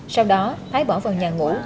sau đó thái bỏ vào nhà ngủ